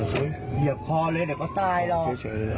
เหยียบคอเละเดียวเขาตายเนาะ